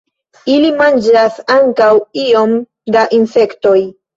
Ili manĝas ankaŭ iom da insektoj.